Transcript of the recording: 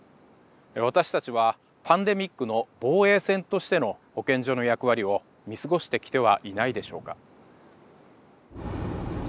私たちはパンデミックの防衛線としての保健所の役割を見過ごしてきてはいないでしょうか？